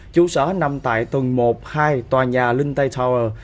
chủ sở nằm tại tuần một hai tòa nhà linh tây tower